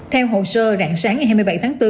theo hồ sơ rạng sáng ngày hai mươi bảy tháng bốn